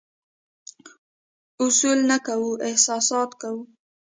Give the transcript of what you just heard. اصول نه کوو، احساسات کوو.